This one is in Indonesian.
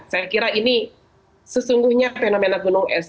saya kira ini sesungguhnya fenomena gunung es